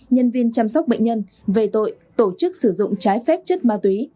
nhân viên chăm sóc bệnh nhân về tội tổ chức sử dụng trái phép chất ma túy